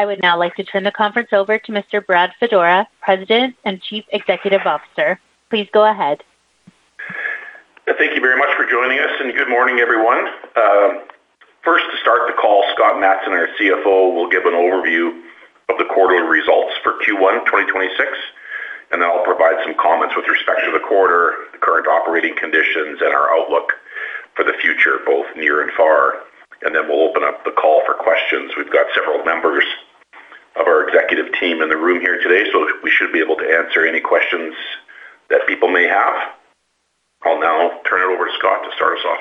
I would now like to turn the conference over to Mr. Brad Fedora, President and Chief Executive Officer. Please go ahead. Thank you very much for joining us. Good morning, everyone. First, to start the call, Scott Matson, our CFO, will give an overview of the quarterly results for Q1 2026, and then I'll provide some comments with respect to the quarter, the current operating conditions, and our outlook for the future, both near and far. Then we'll open up the call for questions. We've got several members of our executive team in the room here today, so we should be able to answer any questions that people may have. I'll now turn it over to Scott to start us off.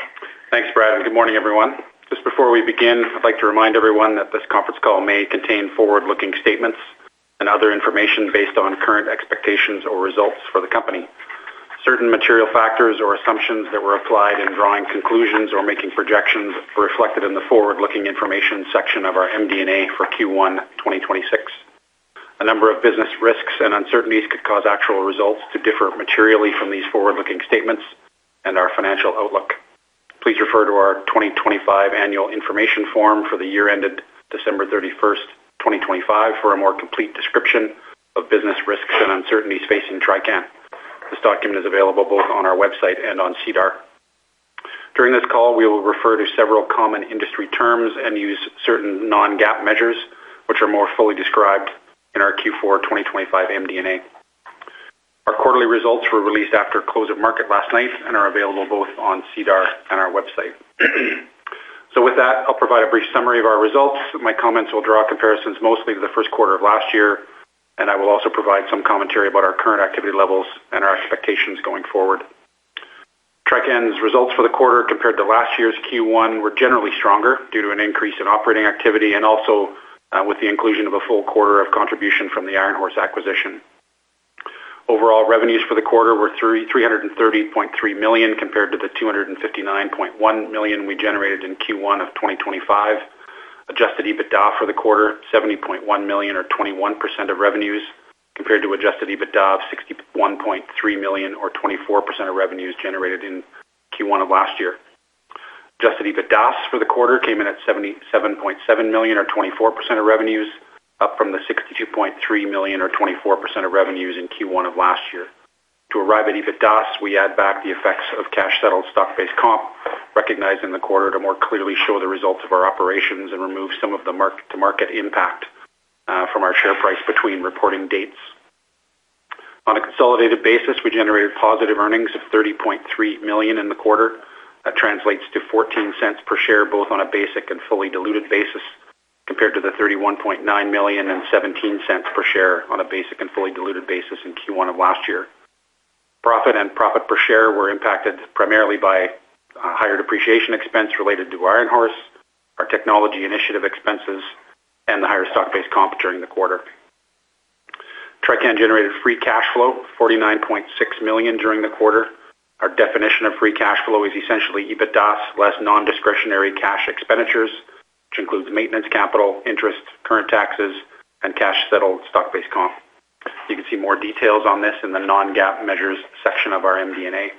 Thanks, Brad, and good morning, everyone. Just before we begin, I'd like to remind everyone that this conference call may contain forward-looking statements and other information based on current expectations or results for the company. Certain material factors or assumptions that were applied in drawing conclusions or making projections are reflected in the forward-looking information section of our MD&A for Q1 2026. A number of business risks and uncertainties could cause actual results to differ materially from these forward-looking statements and our financial outlook. Please refer to our 2025 Annual Information Form for the year ended December 31st, 2025, for a more complete description of business risks and uncertainties facing Trican. This document is available both on our website and on SEDAR. During this call, we will refer to several common industry terms and use certain non-GAAP measures, which are more fully described in our Q4 2025 MD&A. Our quarterly results were released after close of market last night and are available both on SEDAR and our website. With that, I'll provide a brief summary of our results. My comments will draw comparisons mostly to the first quarter of last year, and I will also provide some commentary about our current activity levels and our expectations going forward. Trican's results for the quarter compared to last year's Q1 were generally stronger due to an increase in operating activity and also with the inclusion of a full quarter of contribution from the Iron Horse acquisition. Overall revenues for the quarter were 330.3 million compared to 259.1 million we generated in Q1 of 2025. Adjusted EBITDA for the quarter, 70.1 million or 21% of revenues compared to adjusted EBITDA of 61.3 million or 24% of revenues generated in Q1 of last year. Adjusted EBITDA for the quarter came in at 77.7 million or 24% of revenues, up from the 62.3 million or 24% of revenues in Q1 of last year. To arrive at EBITDA, we add back the effects of cash-settled stock-based comp recognized in the quarter to more clearly show the results of our operations and remove some of the mark-to-market impact from our share price between reporting dates. On a consolidated basis, we generated positive earnings of 30.3 million in the quarter. That translates to 0.14 per share, both on a basic and fully diluted basis, compared to the 31.9 million and 0.17 per share on a basic and fully diluted basis in Q1 of last year. Profit and profit per share were impacted primarily by higher depreciation expense related to Iron Horse, our technology initiative expenses, and the higher stock-based comp during the quarter. Trican generated free cash flow, 49.6 million, during the quarter. Our definition of free cash flow is essentially EBITDA less non-discretionary cash expenditures, which includes maintenance capital, interest, current taxes, and cash-settled stock-based comp. You can see more details on this in the non-GAAP measures section of our MD&A.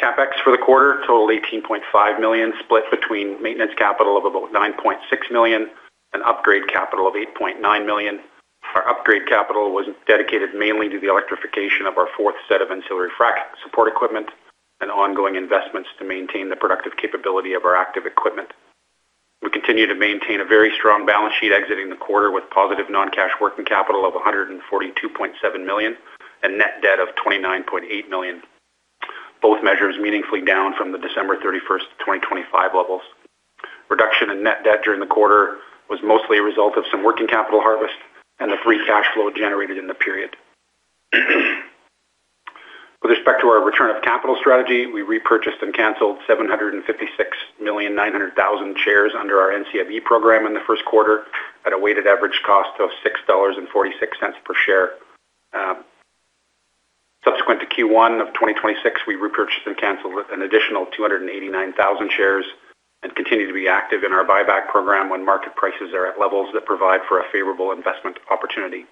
CapEx for the quarter totaled 18.5 million, split between maintenance capital of about 9.6 million and upgrade capital of 8.9 million. Our upgrade capital was dedicated mainly to the electrification of our fourth set of ancillary frac support equipment and ongoing investments to maintain the productive capability of our active equipment. We continue to maintain a very strong balance sheet exiting the quarter with positive non-cash working capital of 142.7 million and net debt of 29.8 million. Both measures meaningfully down from the December 31st, 2025, levels. Reduction in net debt during the quarter was mostly a result of some working capital harvest and the free cash flow generated in the period. With respect to our return of capital strategy, we repurchased and canceled 756,900,000 shares under our NCIB program in the first quarter at a weighted average cost of 6.46 dollars per share. Subsequent to Q1 of 2026, we repurchased and canceled an additional 289,000 shares and continue to be active in our buyback program when market prices are at levels that provide for a favorable investment opportunity.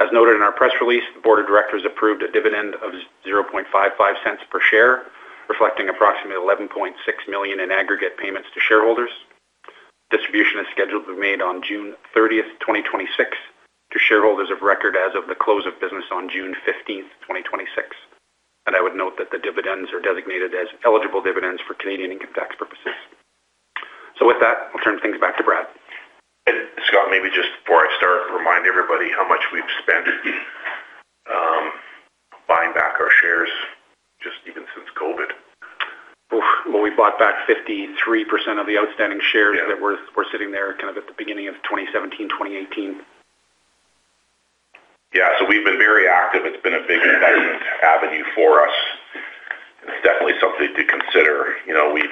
As noted in our press release, the board of directors approved a dividend of 0.0055 per share, reflecting approximately 11.6 million in aggregate payments to shareholders. Distribution is scheduled to be made on June 30th, 2026, to shareholders of record as of the close of business on June 15th, 2026. I would note that the dividends are designated as eligible dividends for Canadian income tax purposes. With that, I'll turn things back to Brad. Scott, maybe just before I start, remind everybody how much we've spent buying back our shares just even since COVID. Oof. Well, we bought back 53% of the outstanding shares. Yeah that were sitting there kind of at the beginning of 2017/2018. Yeah. We've been very active. It's been a big investment avenue for us, and it's definitely something to consider. You know, we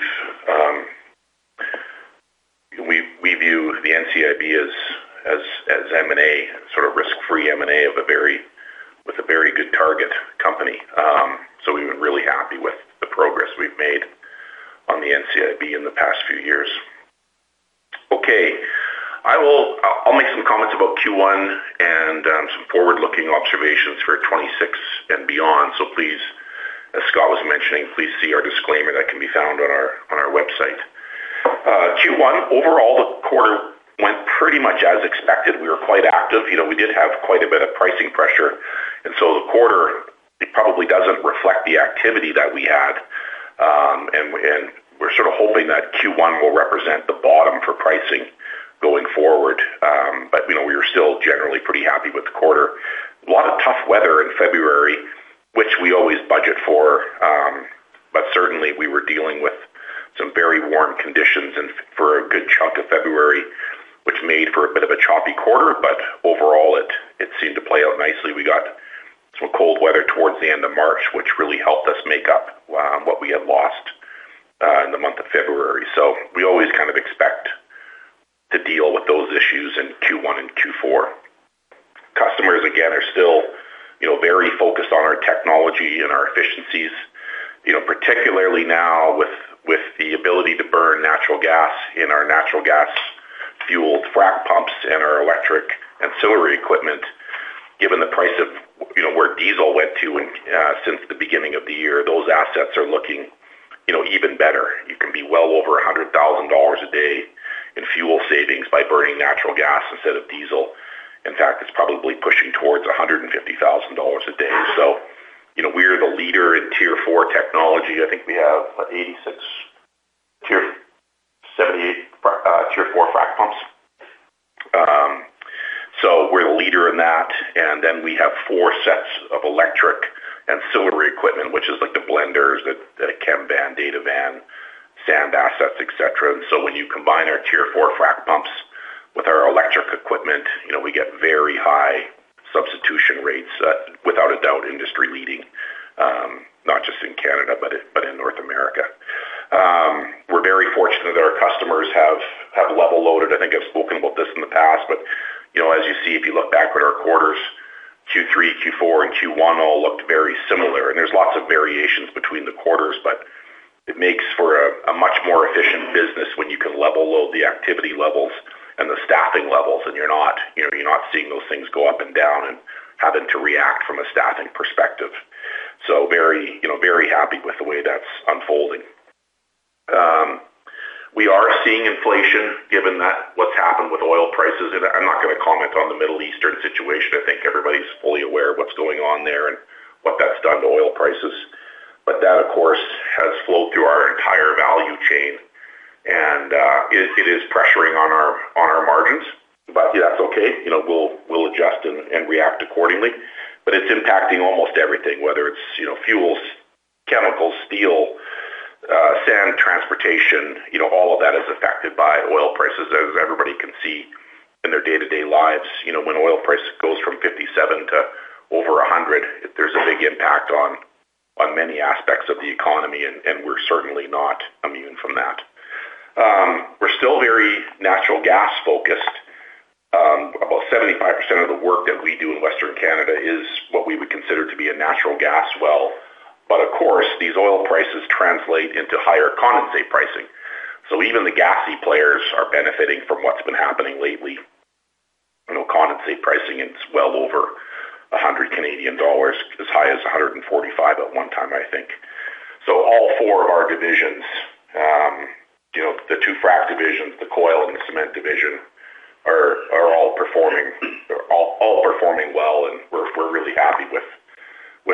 view the NCIB as M&A, sort of risk-free M&A with a very good target company. We've been really happy with the progress we've made on the NCIB in the past few years. Okay. I'll make some comments about Q1. Some forward-looking observations for 2026 and beyond. Please, as Scott was mentioning, please see our disclaimer that can be found on our website. Q1, overall, the quarter went pretty much as expected. We were quite active. You know, we did have quite a bit of pricing pressure. The quarter, it probably doesn't reflect the activity that we had, and we're sort of hoping that Q1 will represent the bottom for pricing going forward. You know, we were still generally pretty happy with the quarter. A lot of tough weather in February, which we always budget for. Certainly we were dealing with some very warm conditions and for a good chunk of February, which made for a bit of a choppy quarter, but overall, it seemed to play out nicely. We got some cold weather towards the end of March, which really helped us make up what we had lost in the month of February. We always kind of expect to deal with those issues in Q1 and Q4. Customers, again, are still, you know, very focused on our technology and our efficiencies. You know, particularly now with the ability to burn natural gas in our natural gas fueled frac pumps and our electric ancillary equipment. Given the price of, you know, where diesel went to in since the beginning of the year, those assets are looking, you know, even better. You can be well over 100,000 dollars a day in fuel savings by burning natural gas instead of diesel. In fact, it's probably pushing towards 150,000 dollars a day. You know, we're the leader in Tier 4 technology. I think we have 86 Tier 4 frac pumps. We're the leader in that. We have four sets of electric ancillary equipment, which is like the blenders, the Chem Van, Data Van, sand assets, et cetera. When you combine our Tier 4 frac pumps with our electric equipment, you know, we get very high substitution rates, without a doubt, industry-leading, not just in Canada, but in North America. We are very fortunate that our customers have level loaded. I think I've spoken about this in the past, but you know, as you see, if you look back at our quarters, Q3, Q4, and Q1 all looked very similar, and there's lots of variations between the quarters, but it makes for a much more efficient business when you can level load the activity levels and the staffing levels and you're not, you know, seeing those things go up and down and having to react from a staffing perspective. Very, you know, very happy with the way that's unfolding. We are seeing inflation given that what's happened with oil prices. I'm not gonna comment on the Middle Eastern situation. I think everybody's fully aware of what's going on there and what that's done to oil prices. That, of course, has flowed through our entire value chain. It is pressuring on our margins, but that's okay. You know, we'll adjust and react accordingly. It's impacting almost everything, whether it's, you know, fuels, chemicals, steel, sand, transportation, you know, all of that is affected by oil prices as everybody can see in their day-to-day lives. You know, when oil price goes from 57 to over 100, there's a big impact on many aspects of the economy, and we're certainly not immune from that. We're still very natural gas focused. About 75% of the work that we do in Western Canada is what we would consider to be a natural gas well. Of course, these oil prices translate into higher condensate pricing. Even the gassy players are benefiting from what's been happening lately. You know, condensate pricing is well over 100 Canadian dollars, as high as 145 at one time, I think. All four of our divisions, you know, the two frac divisions, the Coil and the Cement division are all performing, all performing well, and we're really happy with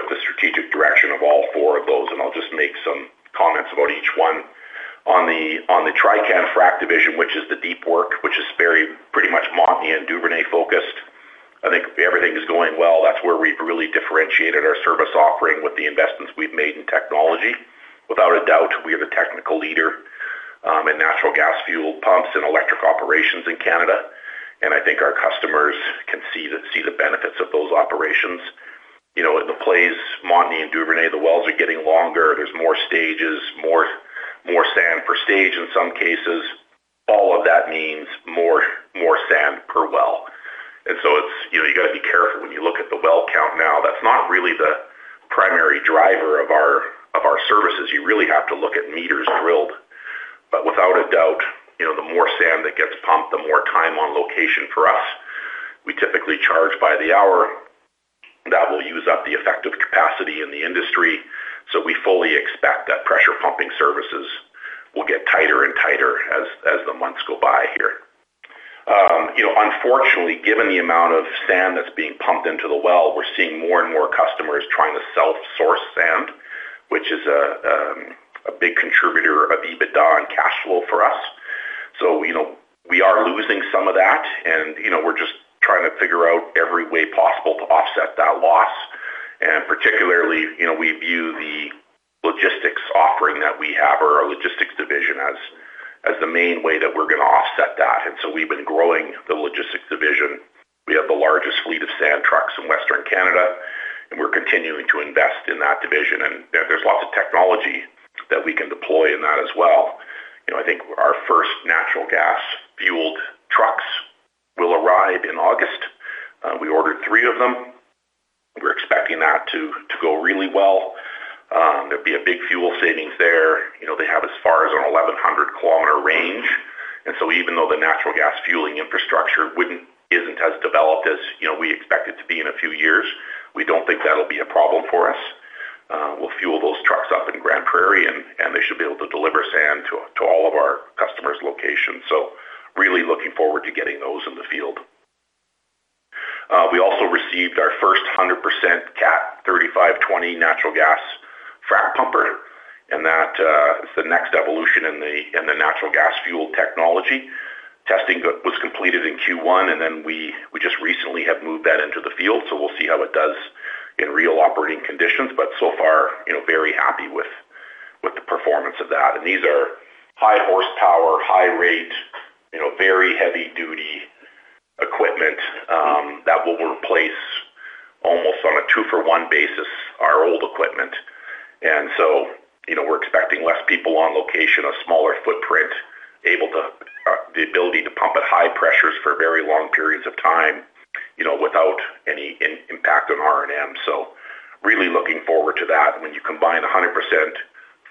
the strategic direction of all four of those. I'll just make some comments about each one. On the Trican Frac division, which is the deep work, which is very pretty much Montney and Duvernay-focused, I think everything is going well. That's where we've really differentiated our service offering with the investments we've made in technology. Without a doubt, we are the technical leader in natural gas fuel pumps and electric operations in Canada. I think our customers can see the benefits of those operations. You know, in the plays, Montney and Duvernay, the wells are getting longer. There's more stages, more sand per stage in some cases. All of that means more sand per well. You know, you gotta be careful when you look at the well count now. That's not really the primary driver of our services. You really have to look at meters drilled. Without a doubt, you know, the more sand that gets pumped, the more time on location for us. We typically charge by the hour. That will use up the effective capacity in the industry. We fully expect that pressure pumping services will get tighter and tighter as the months go by here. You know, unfortunately, given the amount of sand that's being pumped into the well, we're seeing more and more customers trying to self-source sand, which is a big contributor of EBITDA and cash flow for us. You know, we are losing some of that and, you know, we're just trying to figure out every way possible to offset that loss. Particularly, you know, we view the logistics offering that we have or our logistics division as the main way that we're gonna offset that. We've been growing the logistics division. We have the largest fleet of sand trucks in Western Canada, and we're continuing to invest in that division. There's lots of technology that we can deploy in that as well. You know, I think our first natural gas-fueled trucks will arrive in August. We ordered three of them. Really well. There'd be a big fuel savings there. You know, they have as far as a 1,100 km range. Even though the natural gas fueling infrastructure isn't as developed as, you know, we expect it to be in a few years, we don't think that'll be a problem for us. We'll fuel those trucks up in Grande Prairie, and they should be able to deliver sand to all of our customers' locations. Really looking forward to getting those in the field. We also received our first 100% Cat G3520 natural gas frac pumper, and that is the next evolution in the natural gas fuel technology. Testing was completed in Q1, and then we just recently have moved that into the field. We'll see how it does in real operating conditions. So far, you know, very happy with the performance of that. These are high horsepower, high rate, you know, very heavy duty equipment that will replace almost on a two-for-one basis our old equipment. You know, we're expecting less people on location, a smaller footprint, the ability to pump at high pressures for very long periods of time, you know, without any impact on R&M. Really looking forward to that. When you combine 100%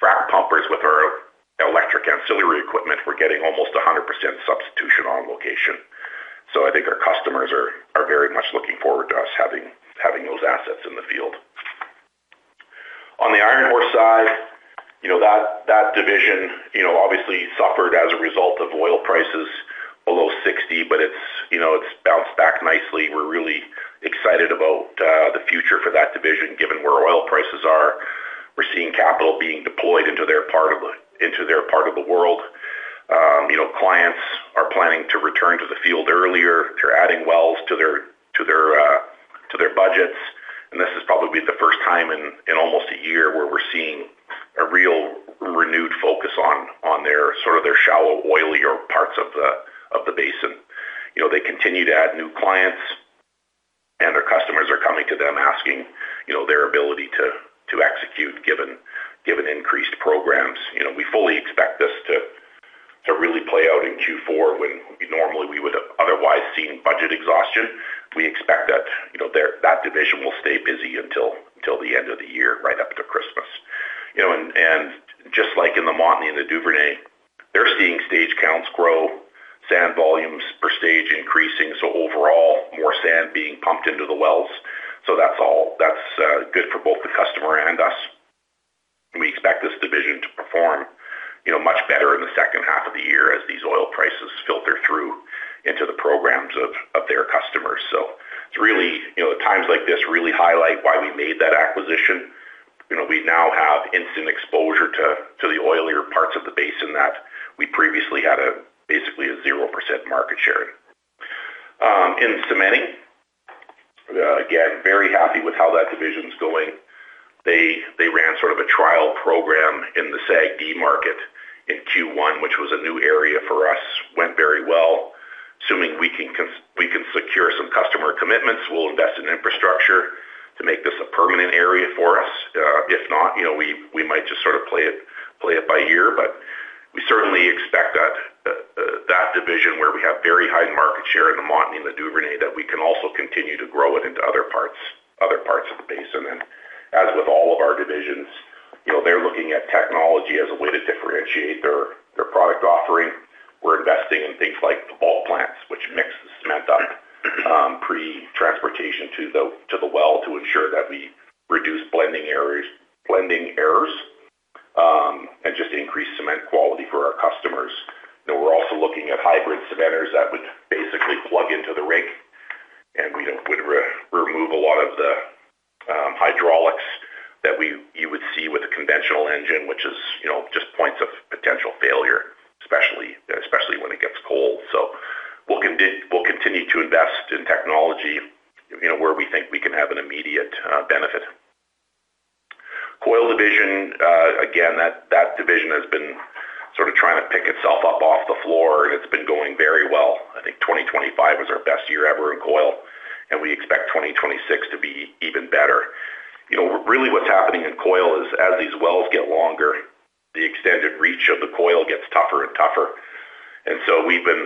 frac pumpers with our electric ancillary equipment, we're getting almost 100% substitution on location. I think our customers are very much looking forward to us having those assets in the field. On the Iron Horse side, you know, that division, you know, obviously suffered as a result of oil prices below 60, it's, you know, it's bounced back nicely. We're really excited about the future for that division given where oil prices are. We're seeing capital being deployed into their part of the world. You know, clients are planning to return to the field earlier. They're adding wells to their budgets. This is probably the first time in almost a year where we're seeing a real renewed focus on their sort of their shallow oilier parts of the basin. You know, they continue to add new clients, their customers are coming to them asking, you know, their ability to execute given increased programs. You know, we fully expect this to really play out in Q4 when normally we would have otherwise seen budget exhaustion. We expect that, you know, that division will stay busy until the end of the year, right up to Christmas. You know, and just like in the Montney and the Duvernay, they're seeing stage counts grow, sand volumes per stage increasing, overall more sand being pumped into the wells. That's good for both the customer and us. We expect this division to perform, you know, much better in the second half of the year as these oil prices filter through into the programs of their customers. It's really, you know, times like this really highlight why we made that acquisition. You know, we now have instant exposure to the oilier parts of the basin that we previously had a basically a 0% market share in. In Cementing, again, very happy with how that division's going. They ran sort of a trial program in the SAGD market in Q1, which was a new area for us. Went very well. Assuming we can secure some customer commitments, we'll invest in infrastructure to make this a permanent area for us. If not, you know, we might just sort of play it by ear. We certainly expect that division where we have very high market share in the Montney and the Duvernay, that we can also continue to grow it into other parts of the basin. As with all of our divisions, you know, they're looking at technology as a way to differentiate their product offering. We're investing in things like batch plants, which mix the cement up, pre-transportation to the well to ensure that we reduce blending errors and just increase cement quality for our customers. We're also looking at hybrid cementers that would basically plug into the rig, and we would remove a lot of the hydraulics you would see with a conventional engine, which is, you know, just points of potential failure, especially when it gets cold. We'll continue to invest in technology, you know, where we think we can have an immediate benefit. Coil division, again, that division has been sort of trying to pick itself up off the floor, and it's been going very well. I think 2025 was our best year ever in coil, and we expect 2026 to be even better. You know, really what's happening in coil is as these wells get longer, the extended reach of the coil gets tougher and tougher. We've been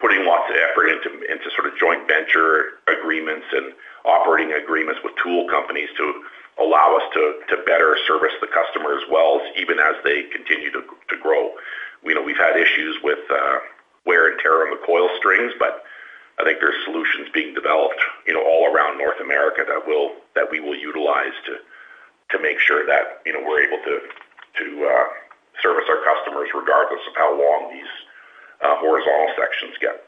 putting lots of effort into sort of joint venture agreements and operating agreements with tool companies to allow us to better service the customer's wells even as they continue to grow. You know, we've had issues with wear and tear on the coil strings. I think there's solutions being developed, you know, all around North America that we will utilize to make sure that, you know, we're able to service our customers regardless of how long these horizontal sections get.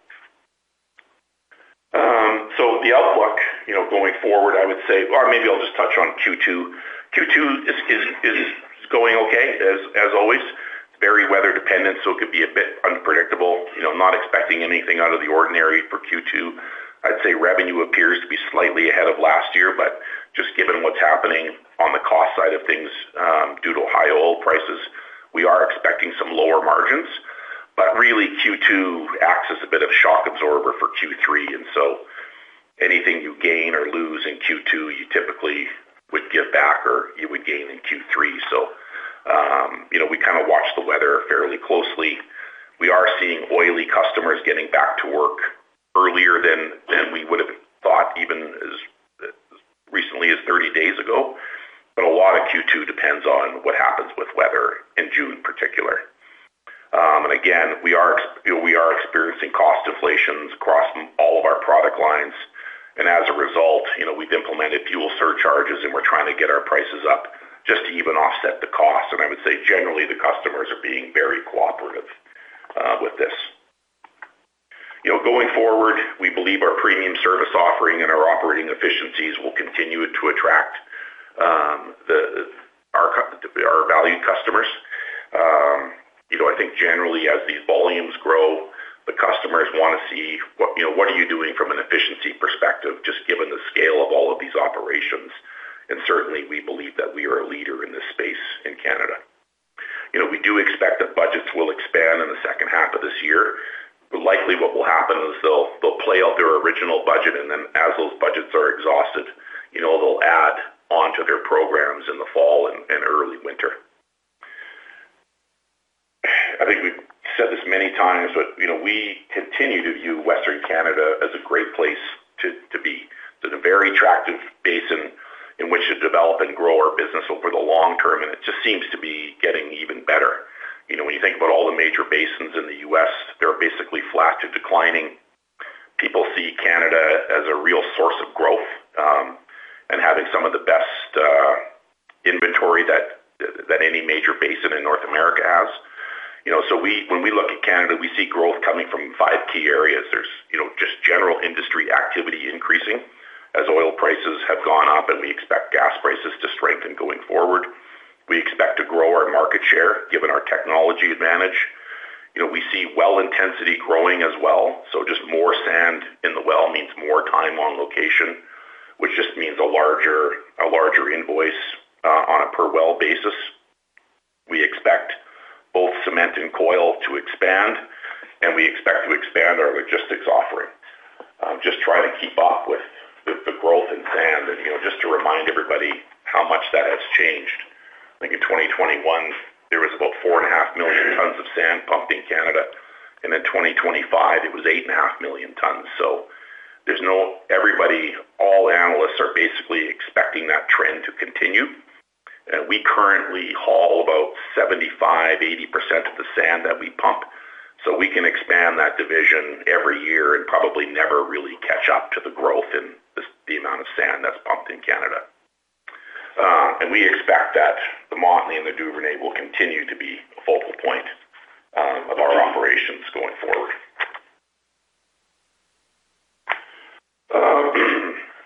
The outlook, you know, going forward, maybe I'll just touch on Q2. Q2 is going okay as always. It's very weather dependent, it could be a bit unpredictable. You know, not expecting anything out of the ordinary for Q2. I'd say revenue appears to be slightly ahead of last year. Just given what's happening on the cost side of things, due to high oil prices, we are expecting some lower margins. Really, Q2 acts as a bit of a shock absorber for Q3. Anything you gain or lose in Q2, you typically would give back or we gain in Q3. You know, we kind of watch the weather fairly closely. We are seeing oily customers getting back to work earlier than we would have thought, even as recently as 30 days ago. A lot of Q2 depends on what happens with weather in June particular. Again, we are experiencing cost inflations across all of our product lines. As a result, you know, we've implemented fuel surcharges, and we're trying to get our prices up just to even offset the cost. I would say, generally, the customers are being very cooperative with this. You know, going forward, we believe our premium service offering and our operating efficiencies will continue to attract our valued customers. You know, I think generally as these volumes grow, the customers wanna see what, you know, what are you doing from an efficiency perspective, just given the scale of all of these operations. Certainly, we believe that we are a leader in this space in Canada. You know, we do expect that budgets will expand in the second half of this year, but likely what will happen is they'll play out their original budget, and then as those budgets are exhausted, you know, they'll add onto their programs in the fall and early winter. I think we've said this many times, but you know, we continue to view Western Canada as a great place to be. There's a very attractive basin in which to develop and grow our business over the long-term, and it just seems to be getting even better. You know, when you think about all the major basins in the U.S., they're basically flat to declining. People see Canada as a real source of growth, and having some of the best inventory that any major basin in North America has. You know, when we look at Canada, we see growth coming from five key areas. There's, you know, just general industry activity increasing as oil prices have gone up, and we expect gas prices to strengthen going forward. We expect to grow our market share, given our technology advantage. You know, we see well intensity growing as well, so just more sand in the well means more time on location, which just means a larger invoice on a per well basis. We expect both cement and coil to expand, we expect to expand our logistics offering. Just try to keep up with the growth in sand. You know, just to remind everybody how much that has changed. I think in 2021, there was about four and a half million tons of sand pumped in Canada, in 2025, it was eight and a half million tons. Everybody, all analysts are basically expecting that trend to continue. We currently haul about 75%, 80% of the sand that we pump, so we can expand that division every year and probably never really catch up to the growth in the amount of sand that's pumped in Canada. We expect that the Montney and the Duvernay will continue to be a focal point of our operations going forward.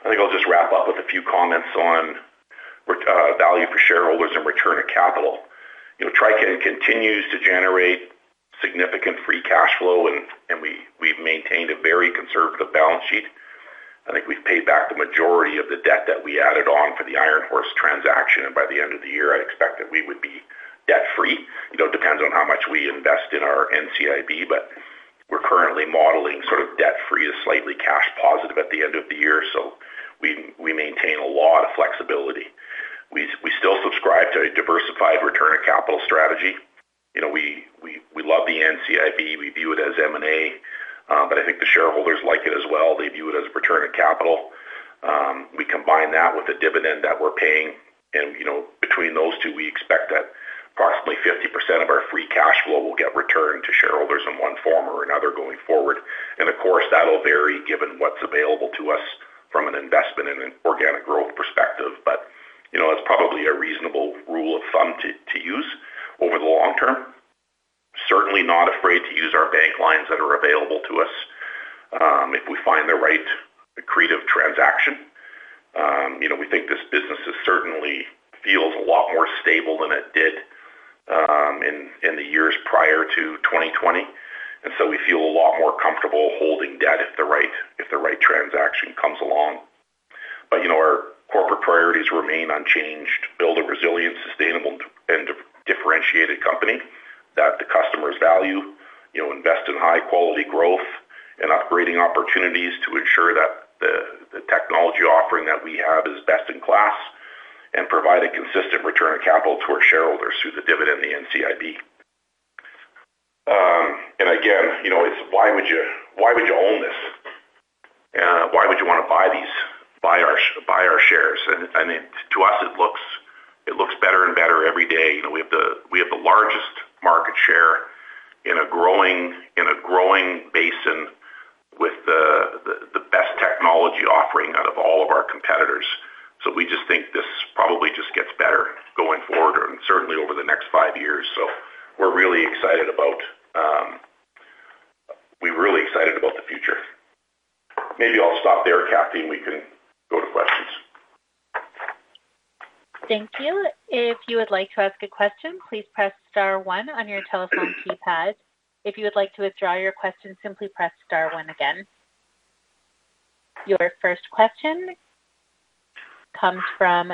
I think I'll just wrap up with a few comments on value for shareholders and return of capital. You know, Trican continues to generate significant free cash flow, and we've maintained a very conservative balance sheet. I think we've paid back the majority of the debt that we added on for the Iron Horse transaction. By the end of the year, I expect that we would be debt-free. You know, it depends on how much we invest in our NCIB, but we're currently modeling sort of debt-free to slightly cash positive at the end of the year, so we maintain a lot of flexibility. We still subscribe to a diversified return on capital strategy. You know, we love the NCIB. We view it as M&A, but I think the shareholders like it as well. They view it as return on capital. We combine that with the dividend that we're paying and, you know, between those two, we expect that approximately 50% of our free cash flow will get returned to shareholders in one form or another going forward. Of course, that'll vary given what's available to us from an investment and an organic growth perspective. You know, that's probably a reasonable rule of thumb to use over the long-term. Certainly not afraid to use our bank lines that are available to us if we find the right accretive transaction. You know, we think this business certainly feels a lot more stable than it did in the years prior to 2020, and we feel a lot more comfortable holding debt if the right transaction comes along. You know, our corporate priorities remain unchanged. Build a resilient, sustainable, and differentiated company that the customers value. You know, invest in high quality growth and upgrading opportunities to ensure that the technology offering that we have is best in class. Provide a consistent return on capital towards shareholders through the dividend, the NCIB. Again, you know, it's why would you own this? Why would you wanna buy these, buy our shares? I mean, to us, it looks better and better every day. You know, we have the largest market share in a growing basin with the best technology offering out of all of our competitors. We just think this probably just gets better going forward and certainly over the next five years. We're really excited about the future. Maybe I'll stop there, Cathy, and we can go to questions. Thank you. If you would like to ask a question, please press star one on your telephone keypad. If you would like to withdraw your question, simply press star one again. Your first question comes from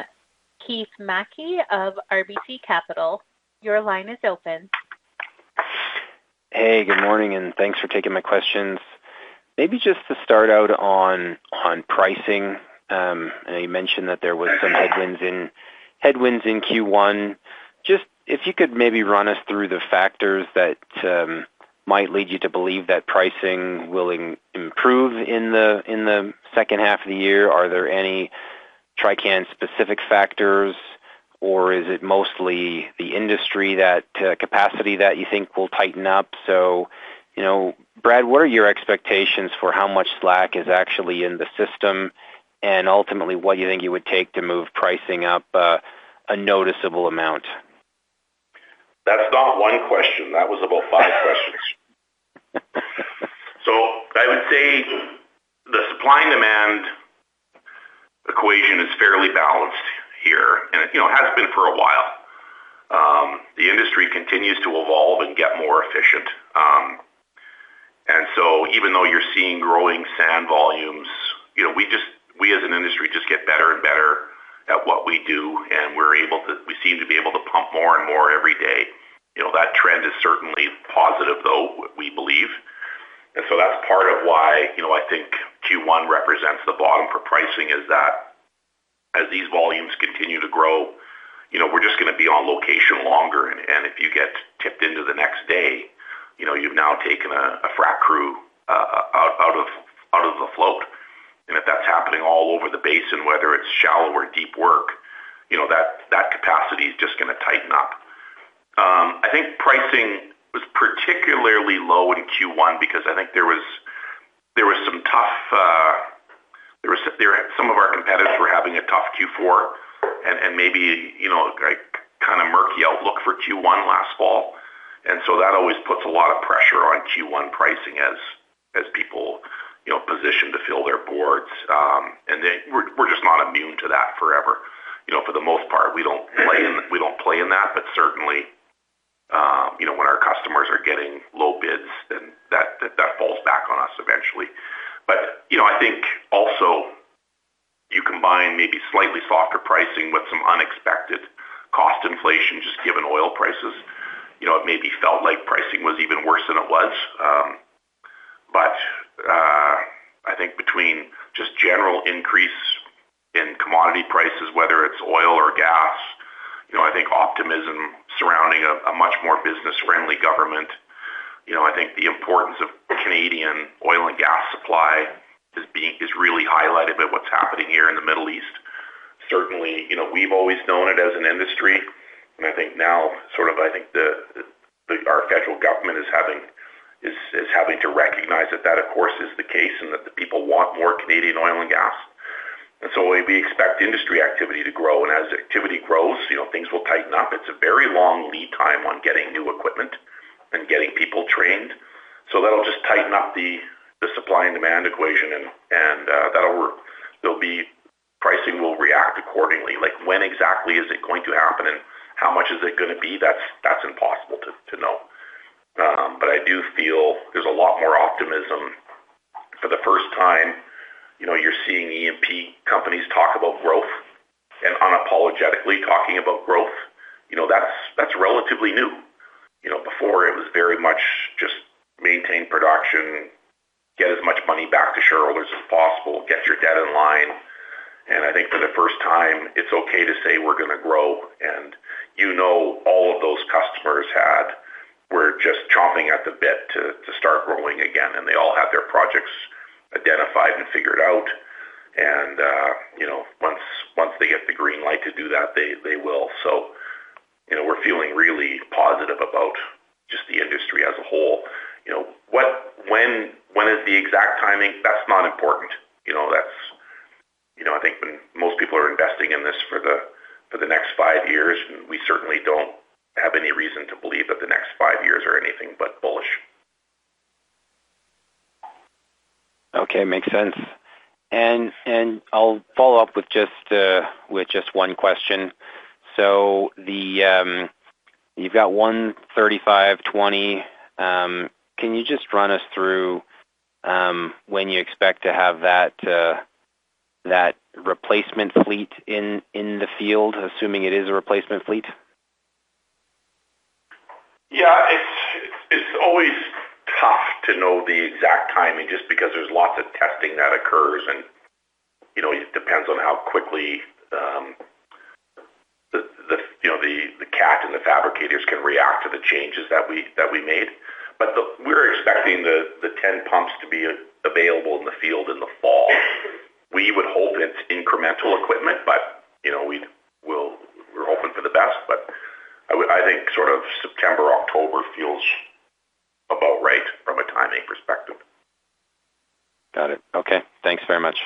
Keith Mackey of RBC Capital. Your line is open. Hey, good morning, and thanks for taking my questions. I know you mentioned that there was some headwinds in Q1. Just if you could maybe run us through the factors that might lead you to believe that pricing will improve in the second half of the year. Are there any Trican-specific factors, or is it mostly the industry that capacity that you think will tighten up? You know, Brad, what are your expectations for how much slack is actually in the system? Ultimately, what you think it would take to move pricing up a noticeable amount? That's not one question. That was about five questions. I would say the supply and demand equation is fairly balanced here, and, you know, has been for a while. The industry continues to evolve and get more efficient. Even though you're seeing growing sand volumes, you know, we as an industry just get better and better at what we do, and we seem to be able to pump more and more every day. You know, that trend is certainly positive, though, we believe. That's part of why, you know, I think Q1 represents the bottom for pricing is that as these volumes continue to grow, you know, we're just gonna be on location longer. If you get tipped into the next day, you know, you've now taken a frac crew out of the float. If that's happening all over the basin, whether it's shallow or deep work, you know, that capacity is just gonna tighten up. I think pricing was particularly low in Q1 because I think there was some tough some of our competitors were having a tough Q4 and maybe, you know, like kinda murky outlook for Q1 last fall. So that always puts a lot of pressure on Q1 pricing as people, you know, position to fill their boards. We're just not immune to that forever. You know, for the most part, we don't play in that. Certainly, you know, when our customers are getting low bids, then that falls back on us eventually. You know, I think also you combine maybe slightly softer pricing with some unexpected cost inflation just given oil prices. You know, it maybe felt like pricing was even worse than it was. I think between just general increase in commodity prices, whether it's oil or gas, you know, I think optimism surrounding a much more business-friendly government. You know, I think the importance of Canadian oil and gas supply is really highlighted by what's happening here in the Middle East. Certainly, you know, we've always known it as an industry, our federal government is having to recognize that that, of course, is the case and that the people want more Canadian oil and gas. We expect industry activity to grow, and as activity grows, you know, things will tighten up. It's a very long lead time on getting new equipment and getting people trained. That'll just tighten up the supply and demand equation and that'll work. Pricing will react accordingly. Like, when exactly is it going to happen and how much is it gonna be? That's impossible to know. I do feel there's a lot more optimism. For the first time, you know, you're seeing E&P companies talk about growth and unapologetically talking about growth. You know, that's relatively new. You know, before it was very much just maintain production, get as much money back to shareholders as possible, get your debt in line. I think for the first time, it's okay to say we're gonna grow. You know, all of those customers were just chomping at the bit to start growing again. They all have their projects identified and figured out. You know, once they get the green light to do that, they will. You know, we're feeling really positive about just the industry as a whole. You know, when is the exact timing? That's not important. You know, I think when most people are investing in this for the next five years, and we certainly don't have any reason to believe that the next five years are anything but bullish. Okay. Makes sense. I'll follow up with just one question. The, you've got one 3520. Can you just run us through when you expect to have that replacement fleet in the field, assuming it is a replacement fleet? It's always tough to know the exact timing just because there's lots of testing that occurs and, you know, it depends on how quickly the Cat and the fabricators can react to the changes that we made. We're expecting the 10 pumps to be available in the field in the fall. We would hope it's incremental equipment, but, you know, we're hoping for the best, I think sort of September, October feels about right from a timing perspective. Got it. Okay. Thanks very much.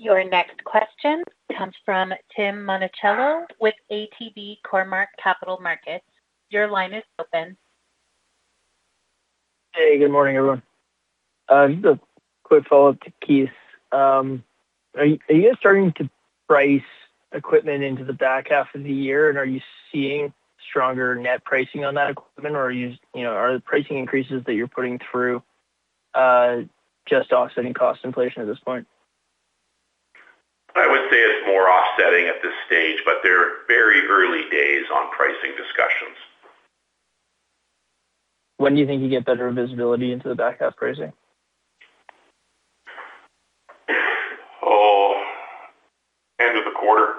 Your next question comes from Tim Monachello with ATB Cormark Capital Markets. Your line is open. Hey, good morning, everyone. Just a quick follow-up to Keith. Are you guys starting to price equipment into the back half of the year, and are you seeing stronger net pricing on that equipment, or are you you know, are the pricing increases that you're putting through, just offsetting cost inflation at this point? Bit more offsetting at this stage, but they're very early days on pricing discussions. When do you think you get better visibility into the back half pricing? Oh, end of the quarter.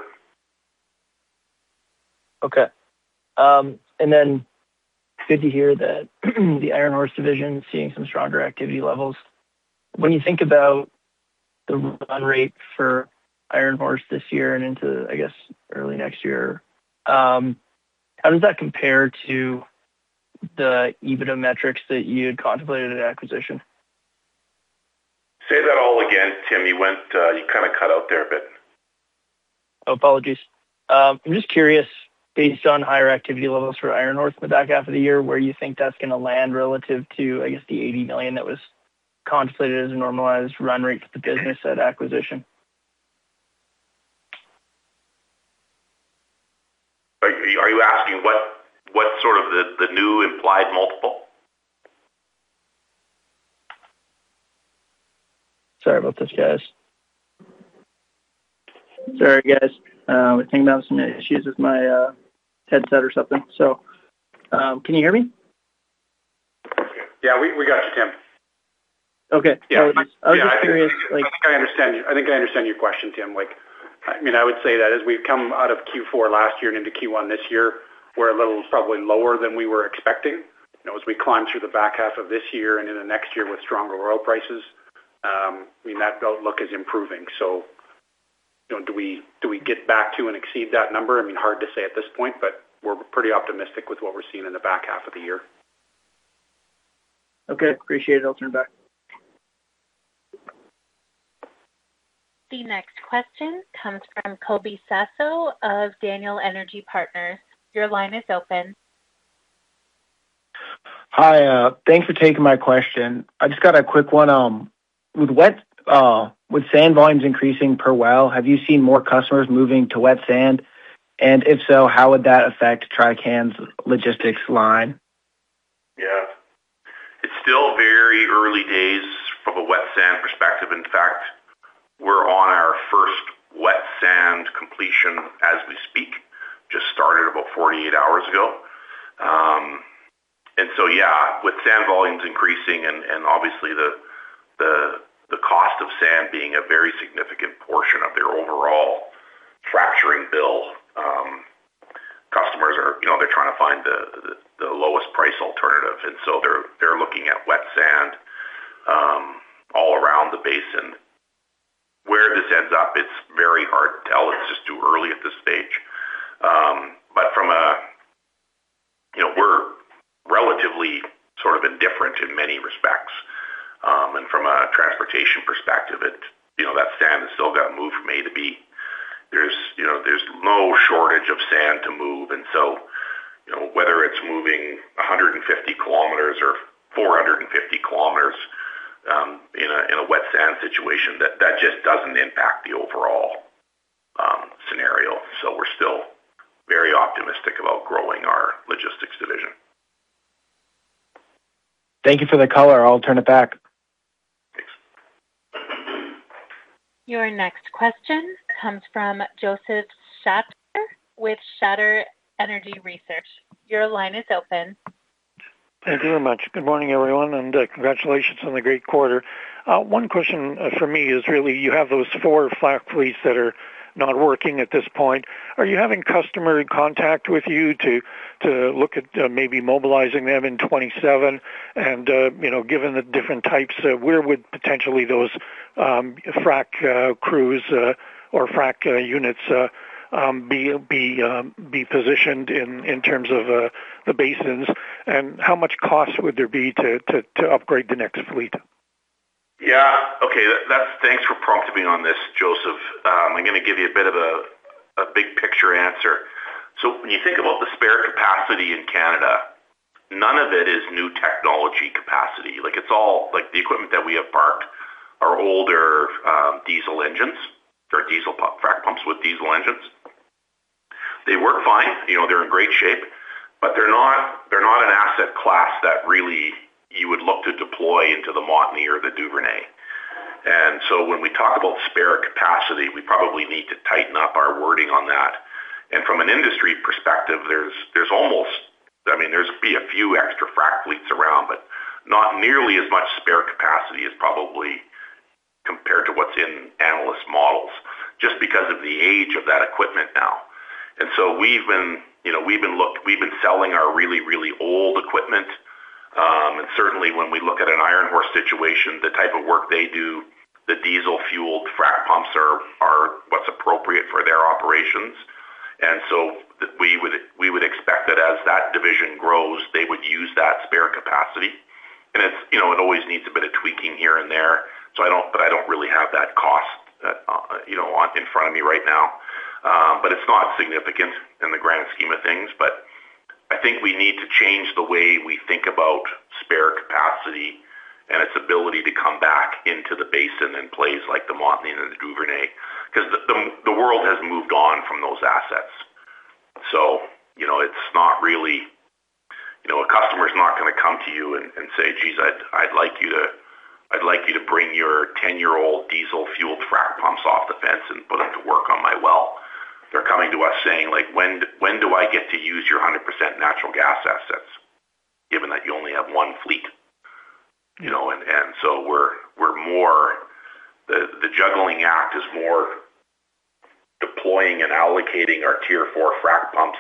Okay. Good to hear that the Iron Horse division is seeing some stronger activity levels. When you think about the run rate for Iron Horse this year and into, I guess early next year, how does that compare to the EBITDA metrics that you had contemplated at acquisition? Say that all again, Tim. You went, you kinda cut out there a bit. Apologies. I'm just curious, based on higher activity levels for Iron Horse in the back half of the year, where you think that's gonna land relative to, I guess, the 80 million that was contemplated as a normalized run rate for the business at acquisition? Are you asking what sort of the new implied multiple? Sorry about this, guys. Sorry, guys. We're talking about some issues with my headset or something. Can you hear me? Yeah, we got you, Tim. Okay. Yeah. I was just curious. I think I understand you. I think I understand your question, Tim. Like, I mean, I would say that as we've come out of Q4 last year and into Q1 this year, we're a little probably lower than we were expecting. You know, as we climb through the back half of this year and into next year with stronger oil prices, I mean, that outlook is improving. You know, do we get back to and exceed that number? I mean, hard to say at this point, but we're pretty optimistic with what we're seeing in the back half of the year. Okay, appreciate it. I'll turn back. The next question comes from Colby Sassos of Daniel Energy Partners. Your line is open. Hi, thanks for taking my question. I just got a quick one. With sand volumes increasing per well, have you seen more customers moving to wet sand? If so, how would that affect Trican's logistics line? Yeah. It's still very early days from a wet sand perspective. In fact, we're on our first wet sand completion as we speak. Just started about 48 hours ago. Yeah, with sand volumes increasing and obviously the cost of sand being a very significant portion of their overall fracturing bill, customers, you know, they're trying to find the lowest price alternative, they're looking at wet sand all around the basin. Where this ends up, it's very hard to tell. It's just too early at this stage. From a You know, we're relatively sort of indifferent in many respects. From a transportation perspective, you know, that sand has still got to move from A to B. There's, you know, there's no shortage of sand to move. You know, whether it's moving 150 km or 450 km, in a wet sand situation, that just doesn't impact the overall scenario. We're still very optimistic about growing our logistics division. Thank you for the color. I'll turn it back. Your next question comes from Josef Schachter with Schachter Energy Research. Your line is open. Thank you very much. Good morning, everyone, congratulations on the great quarter. One question for me is really you have those four frac fleets that are not working at this point. Are you having customer contact with you to look at maybe mobilizing them in 2027? You know, given the different types, where would potentially those frac crews or frac units be positioned in terms of the basins? How much cost would there be to upgrade the next fleet? Yeah. Okay, thanks for prompting me on this, Josef. I'm gonna give you a bit of a big picture answer. When you think about the spare capacity in Canada, none of it is new technology capacity. Like, the equipment that we have parked are older diesel engines. They're diesel frac pumps with diesel engines. They work fine, you know, they're in great shape, but they're not, they're not an asset class that really you would look to deploy into the Montney or the Duvernay. When we talk about spare capacity, we probably need to tighten up our wording on that. From an industry perspective, there's almost a few extra frac fleets around, but not nearly as much spare capacity as probably compared to what's in analyst models, just because of the age of that equipment now. We've been, you know, we've been selling our really old equipment. Certainly when we look at an Iron Horse situation, the type of work they do, the diesel-fueled frac pumps are what's appropriate for their operations. We would expect that as that division grows, they would use that spare capacity. It's, you know, it always needs a bit of tweaking here and there, so I don't really have that cost, you know, in front of me right now. It's not significant in the grand scheme of things. I think we need to change the way we think about spare capacity and its ability to come back into the basin in plays like the Montney and the Duvernay, because the world has moved on from those assets. I'd like you to bring your 10-year-old diesel fuel frac pumps off the fence and put them to work on my well. They're coming to us saying like, "When do I get to use your 100% natural gas assets?" Given that you only have one fleet, you know. We're more the juggling act is more deploying and allocating our Tier 4 frac pumps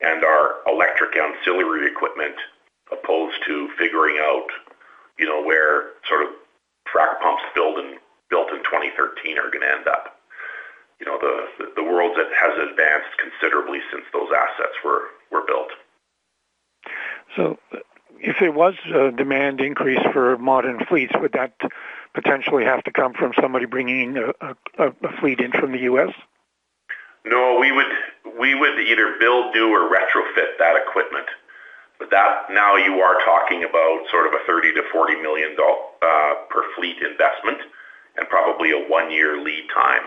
and our electric ancillary equipment, opposed to figuring out, you know, where sort of frac pumps built in 2013 are gonna end up. You know, the world has advanced considerably since those assets were built. If there was a demand increase for modern fleets, would that potentially have to come from somebody bringing a fleet in from the U.S.? No, we would either build, do, or retrofit that equipment. Now you are talking about sort of a 30 million-40 million dollar per fleet investment and probably a one-year lead time.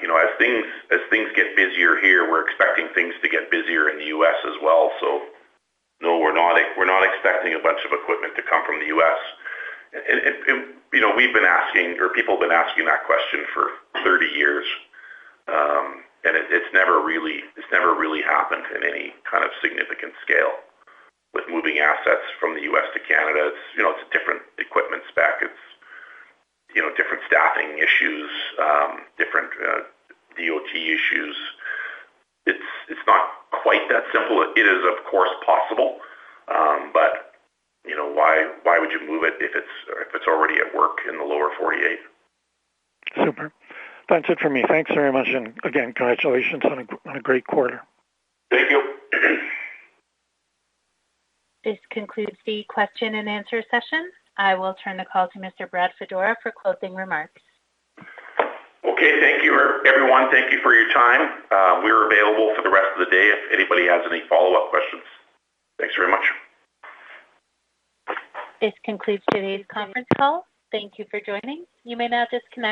You know, as things get busier here, we're expecting things to get busier in the U.S. as well. No, we're not expecting a bunch of equipment to come from the U.S. You know, we've been asking or people have been asking that question for 30 years, and it's never really happened in any kind of significant scale with moving assets from the U.S. to Canada. It's, you know, it's a different equipment spec. It's, you know, different staffing issues, different DOT issues. It's not quite that simple. It is of course possible, you know, why would you move it if it's already at work in the lower 48? Super. That's it for me. Thanks very much. Again, congratulations on a great quarter. Thank you. This concludes the question-and-answer session. I will turn the call to Mr. Brad Fedora for closing remarks. Okay, thank you, everyone. Thank you for your time. We're available for the rest of the day if anybody has any follow-up questions. Thanks very much. This concludes today's conference call. Thank you for joining. You may now disconnect.